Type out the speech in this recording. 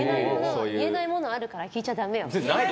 言えないものあるから聞いちゃだめよ。